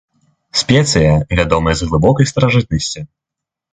Спецыя, вядомая з глыбокай старажытнасці.